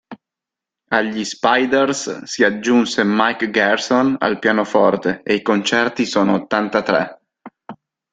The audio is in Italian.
Agli Spiders si aggiunse Mike Garson al pianoforte e i concerti sono ottantatré.